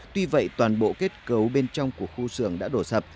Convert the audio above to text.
tuy vậy toàn bộ kết cấu bên trong của khu xưởng đã đổ sập